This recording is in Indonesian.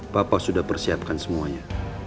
papa sudah persiapkan semuanya